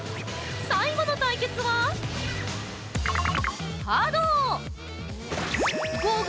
最後の対決はハドー！